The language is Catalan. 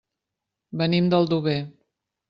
Venim d'Aldover.